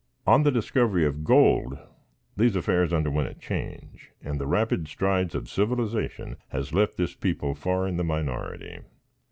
On the discovery of gold, these affairs underwent a change, and the rapid strides of civilization has left this people far in the minority.